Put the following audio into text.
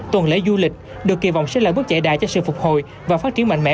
tuần lễ du lịch được kỳ vọng sẽ là bước chạy đà cho sự phục hồi và phát triển mạnh mẽ